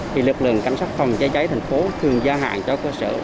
thì lực lượng cảnh sát phòng cháy cháy thành phố thường gia hạn cho cơ sở